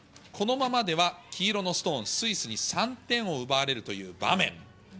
このままでは、黄色のストーン、スイスに３点を奪われるという場面。